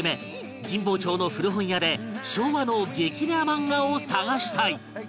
神保町の古本屋で昭和の激レア漫画を探したい